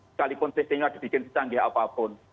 sekalipun sistemnya dibikin secanggih apapun